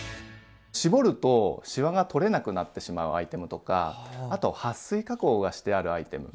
絞るとしわが取れなくなってしまうアイテムとかあとはっ水加工がしてあるアイテム